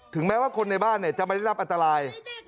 แม้ว่าคนในบ้านจะไม่ได้รับอันตราย